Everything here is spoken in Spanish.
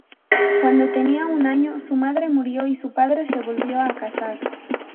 Cuando tenía un año, su madre murió y su padre se volvió a casar.